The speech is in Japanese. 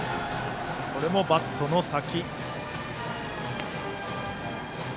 今のもバットの先。